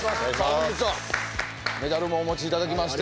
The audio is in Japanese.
本日はメダルもお持ちいただきまして。